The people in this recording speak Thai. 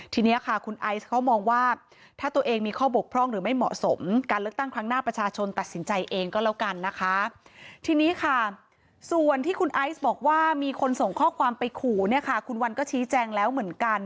ทีนี้ค่ะคุณไอซ์เขามองว่าถ้าตัวเองมีข้อบกพร่องหรือไม่เหมาะสม